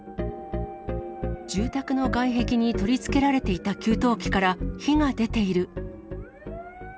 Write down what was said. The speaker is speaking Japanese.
住宅の外壁に取り付けられていた給湯器から火が出ている。